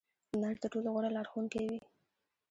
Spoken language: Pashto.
د نړۍ تر ټولو غوره لارښوونکې وي.